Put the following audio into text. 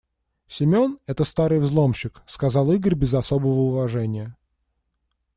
«Семён - это старый взломщик», - сказал Игорь без особого уважения.